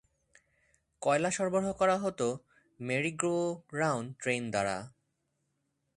কয়লা সরবরাহ করা হত মেরি-গো-রাউন্ড ট্রেন দ্বারা।